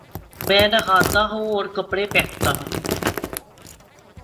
میں نہاتاہوں اور کپڑے پہنتا ہوں